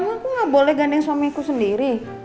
emang aku gak boleh gandeng suamiku sendiri